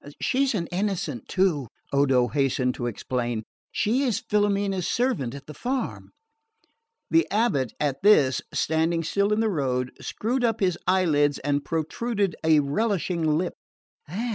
"She's an Innocent too," Odo hastened to explain. "She is Filomena's servant at the farm." The abate at this, standing still in the road, screwed up his eyelids and protruded a relishing lip.